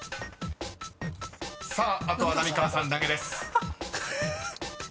［さああとは浪川さんだけです］